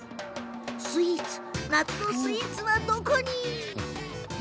スイーツ夏のスイーツはどこに？